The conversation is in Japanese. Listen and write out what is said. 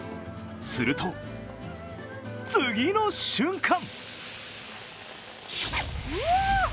すると、次の瞬間